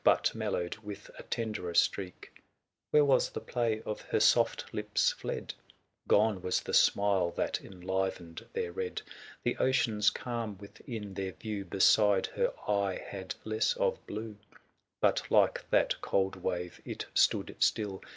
But mellowed with a tenderer streak : Where was the play of her soft Hps fled ? Gone was the smile that enlivened their red. The ocean's calm within their view, 505 Beside her eye had less of blue ; But like that cold wave it stood still.